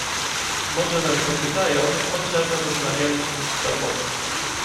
"Może nas zapytają, o czem rozmawialiśmy z sobą."